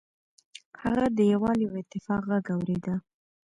هغه د یووالي او اتفاق غږ اوریده.